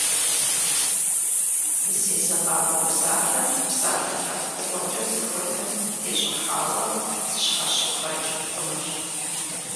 Зезыгъакӏуэ псалъэр псалъэ лъэпкъыгъуэкӏэ зыхуэдэм тещӏыхьауэ зыщхьэщыбгъэкӏ хъунущ.